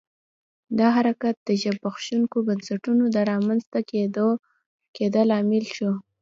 دا حرکت د زبېښونکو بنسټونو د رامنځته کېدا لامل شو.